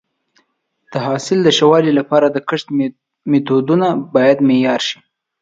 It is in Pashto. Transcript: د حاصل د ښه والي لپاره د کښت میتودونه باید معیاري شي.